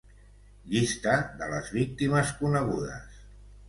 Llista de les víctimes conegudes.